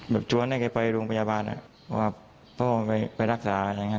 แบบชวนให้ไปโรงพยาบาลเพราะว่าพ่อไปรักษาอย่างนั้น